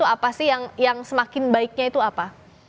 apa sih yang semakin baiknya itu apa